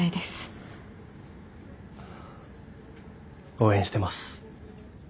応援してます。